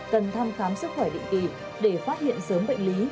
cần thăm khám sức khỏe định kỳ để phát hiện sớm bệnh lý